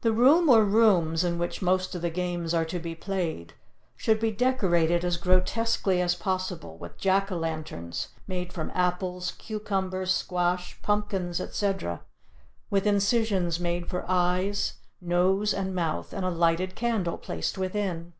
The room or rooms in which most of the games are to be played should be decorated as grotesquely as possible with Jack o' lanterns made from apples, cucumbers, squash, pumpkins, etc., with incisions made for eyes, nose and mouth and a lighted candle placed within.